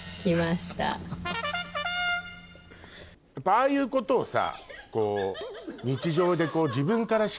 ああいうことをさ。